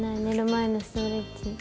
前のストレッチ。